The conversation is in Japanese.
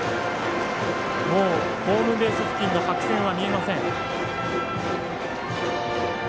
もうホームベース付近の白線は見えません。